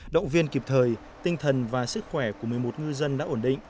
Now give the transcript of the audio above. động viên kịp thời tinh thần và sức khỏe của một mươi một ngư dân đã ổn định